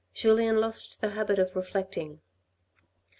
Julien lost the habit of reflecting.